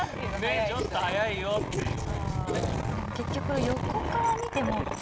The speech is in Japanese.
ねえちょっと速いよっていう。